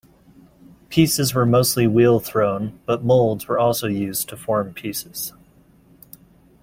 Pieces were mostly wheel-thrown, but moulds were also used to form pieces.